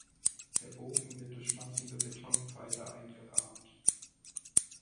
Der Bogen wird durch massive Betonpfeiler eingerahmt.